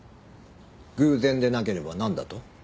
偶然でなければなんだと？